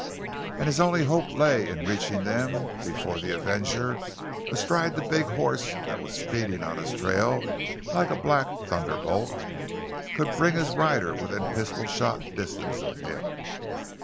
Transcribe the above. And his only hope lay in reaching them before the avenger, astride the big horse that was speeding on his trail like a black thunderbolt, could bring his rider within pistol shot distance of him.